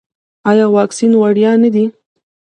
ایا واکسین وړیا دی؟